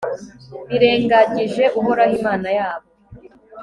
birengagije uhoraho, imana yabo